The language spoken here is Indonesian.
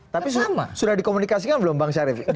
tapi sudah dikomunikasikan belum bang syarif